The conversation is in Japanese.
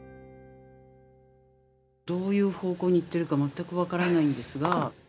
どういう方向に行ってるか全く分からないんですが。